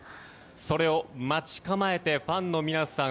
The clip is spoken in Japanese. それを待ち構えてファンの皆さん